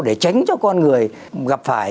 để tránh cho con người gặp phải